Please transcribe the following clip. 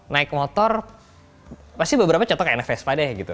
naik motor pasti beberapa contoh kayak vespa deh gitu